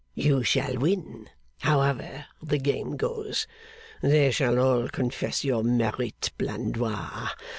You shall win, however the game goes. They shall all confess your merit, Blandois.